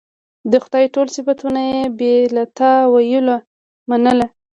د خدای ټول صفتونه یې بې له تأویله منل.